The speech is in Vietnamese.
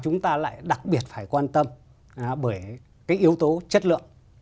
chúng ta lại đặc biệt phải quan tâm bởi cái yếu tố chất lượng